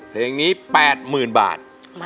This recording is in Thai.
เพลงนี้๘๐๐๐บาท